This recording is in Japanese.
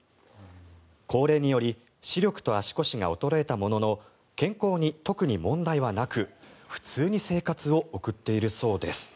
高齢により視力と足腰が衰えたものの健康に特に問題はなく普通に生活を送っているそうです。